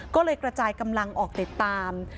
ก็เลยกระจายกำลังออกติดตาม